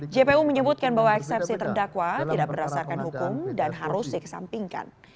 jpu menyebutkan bahwa eksepsi terdakwa tidak berdasarkan hukum dan harus dikesampingkan